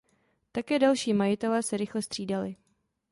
Také další majitelé se rychle střídali.